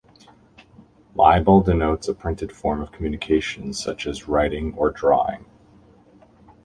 Libel denotes a printed form of communication such as writing or drawing.